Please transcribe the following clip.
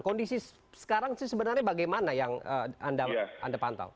kondisi sekarang sih sebenarnya bagaimana yang anda pantau